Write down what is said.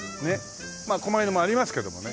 まあ狛犬もありますけどもね。